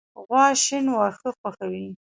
غوا شین واښه خوښوي.